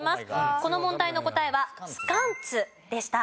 この問題の答えはスカンツでした。